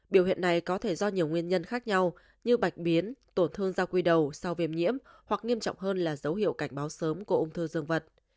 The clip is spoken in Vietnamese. biểu hiện này có thể do nhiều nguyên nhân khác nhau như bạch biến tổn thương giao quy đầu sau viêm nhiễm hoặc nghiêm trọng hơn là dấu hiệu cảnh báo sớm của ung thư dương vật